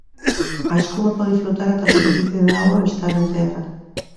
A escuma pode flotar ata a superficie da auga ou estar en terra.